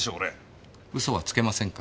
嘘はつけませんか？